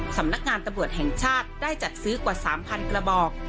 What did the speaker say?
สำนักงานตำรวจแห่งชาติได้จัดซื้อกว่า๓๐๐กระบอก